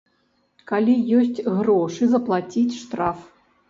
Калі ёсць грошы заплаціць штраф.